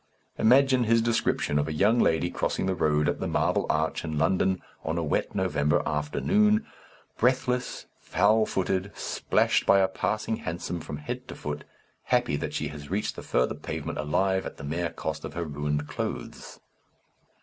Imagine his description of a young lady crossing the road at the Marble Arch in London, on a wet November afternoon, "breathless, foul footed, splashed by a passing hansom from head to foot, happy that she has reached the further pavement alive at the mere cost of her ruined clothes."...